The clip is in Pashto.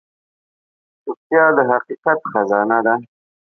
چوپتیا، د حقیقت خزانه ده.